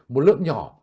một lượng nhỏ